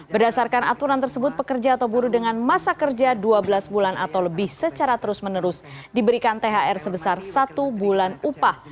berdasarkan aturan tersebut pekerja atau buruh dengan masa kerja dua belas bulan atau lebih secara terus menerus diberikan thr sebesar satu bulan upah